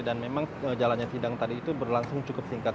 dan memang jalannya sidang tadi itu berlangsung cukup singkat